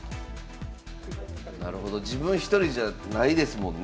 なるほど自分一人じゃないですもんね。